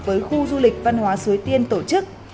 với khu du lịch văn hóa suối tiên tổ chức